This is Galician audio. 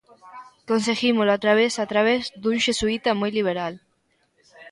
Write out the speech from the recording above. Conseguímolo a través a través dun xesuíta moi liberal.